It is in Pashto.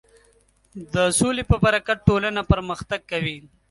د سولې په برکت ټولنه پرمختګ کوي.